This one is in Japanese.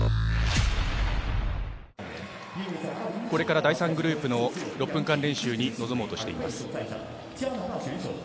これから第３グループの６分間練習に臨もうとしています。